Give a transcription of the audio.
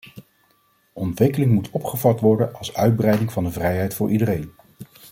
Ontwikkeling moet opgevat worden als uitbreiding van de vrijheden voor iedereen.